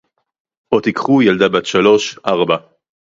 או תיקחו ילדה בת שלוש, ארבע